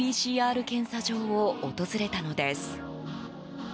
ＰＣＲ検査場を訪れたのです。